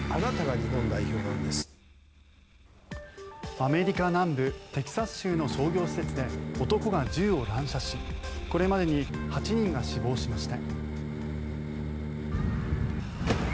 アメリカ南部テキサス州の商業施設で男が銃を乱射しこれまでに８人が死亡しました。